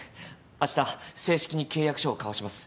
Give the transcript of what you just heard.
あした正式に契約書を交わします。